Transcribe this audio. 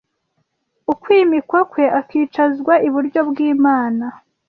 Ukwimikwa kwe akicazwa iburyo bw’Imana